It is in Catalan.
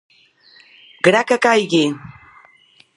Gra que caigui!